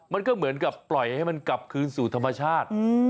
มันก็เหมือนกับปล่อยให้มันกลับคืนสู่ธรรมชาติ